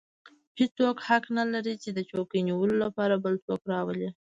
هېڅوک حق نه لري چې د څوکۍ نیولو لپاره بل څوک راولي.